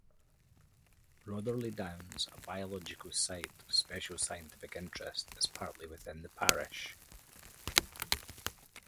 Rotherley Downs, a biological Site of Special Scientific Interest, is partly within the parish.